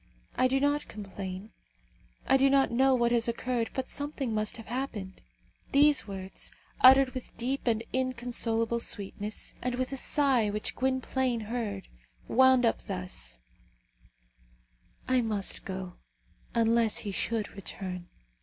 I do not complain. I do not know what has occurred, but something must have happened." These words, uttered with deep and inconsolable sweetness, and with a sigh which Gwynplaine heard, wound up thus, "I must go, unless he should return."